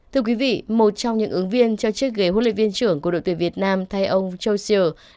thưa quý vị một trong những ứng viên cho chiếc ghế huấn luyện viên trưởng của đội tuyển việt nam thay ông josier